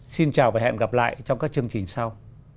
xin chào và hẹn gặp lại trong các chương trình sau